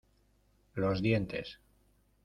los dientes.